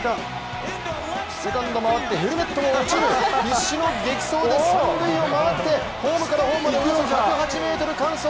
セカンドを回ってヘルメットも落ちる必死の激走で三塁を回ってホームからホームまでおよそ１０８ｍ完走。